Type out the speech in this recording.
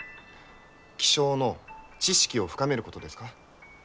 気象の知識を深めることですか？